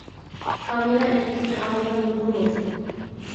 كامېرا ئېنىقلىقى ئامال بار يۇقىرى بولسۇن.